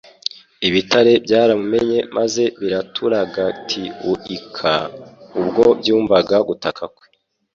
Ibitare byaramumenye maze biraturagtuika ubwo byumvaga gutaka kwe.